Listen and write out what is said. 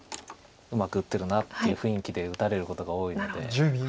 うまく打ってるなっていう雰囲気で打たれることが多いので。